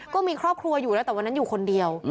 ก็มีครอบครัวอยู่แล้วแต่วันนั้นอยู่คนเดียว